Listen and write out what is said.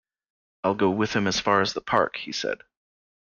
‘I’ll go with him as far as the park,’ he said.